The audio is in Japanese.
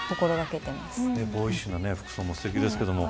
ボーイッシュな服装もすてきですけど。